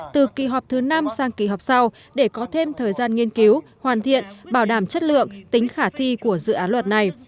từ kỳ họp thứ năm sang kỳ họp sau để có thêm thời gian nghiên cứu hoàn thiện bảo đảm chất lượng tính khả thi của dự án luật này